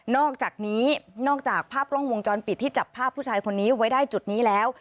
อกจากนี้นอกจากภาพกล้องวงจรปิดที่จับภาพผู้ชายคนนี้ไว้ได้จุดนี้แล้ว